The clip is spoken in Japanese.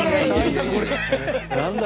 何だ？